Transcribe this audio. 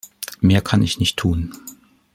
Mehr kann ich nicht tun.